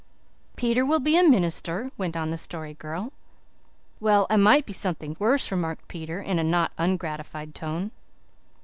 "Peter will be a minister," went on the Story Girl. "Well, I might be something worse," remarked Peter, in a not ungratified tone.